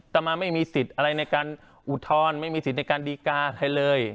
ต่อมาไม่มีสิทธิ์อะไรในการอุทธรณ์ไม่มีสิทธิ์ในการดีการอะไรเลย